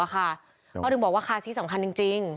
ก็ถึงบอกว่าคาร์ซีสสำคัญจริง